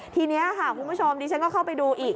ทีนี้ค่ะคุณผู้ชมดิฉันก็เข้าไปดูอีก